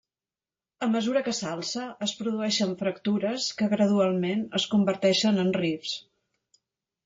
A mesura que s'alça, es produeixen fractures que gradualment es converteixen en rifts.